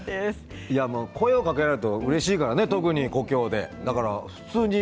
声をかけられるとうれしいからね、特に故郷で。